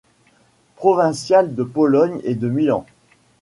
Provincial de Pologne et de Milan.